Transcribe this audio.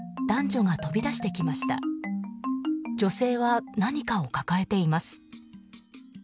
女性は、何かを抱えています。